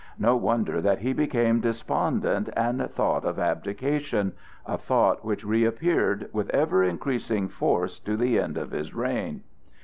No wonder that he became despondent and thought of abdication,—a thought which reappeared with ever increasing force to the end of his reign.